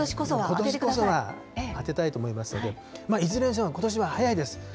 ことしこそは当てたいと思いますので、いずれにせよ、ことしは早いです。